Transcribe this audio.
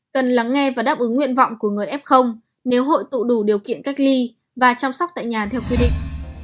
cần lắng nghe và đáp ứng nguyện vọng của người f nếu hội tụ đủ điều kiện cách ly và chăm sóc tại nhà theo quy định